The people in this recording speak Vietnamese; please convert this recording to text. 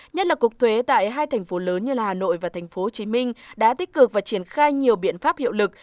nhất là cuộc thuế tại hai thành phố lớn như hà nội và tp hcm đã tích cực và triển khai nhiều biện pháp hiệu lực